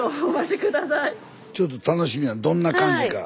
ちょっと楽しみやどんな感じか。